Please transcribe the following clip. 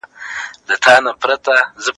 څېړونکي خپله پیلنۍ مسوده استاد ته وسپارله.